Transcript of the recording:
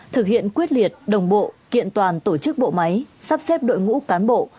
thực hiện quyết liệt đồng bộ kiện toàn tổ chức bộ máy sắp xếp đội ngũ cán bộ